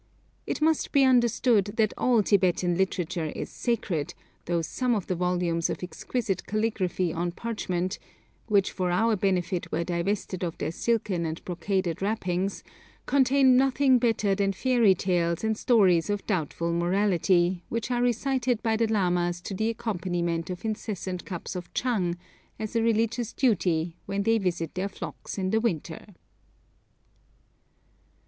It must be understood that all Tibetan literature is 'sacred,' though some of the volumes of exquisite calligraphy on parchment, which for our benefit were divested of their silken and brocaded wrappings, contain nothing better than fairy tales and stories of doubtful morality, which are recited by the lamas to the accompaniment of incessant cups of chang, as a religious duty when they visit their 'flocks' in the winter.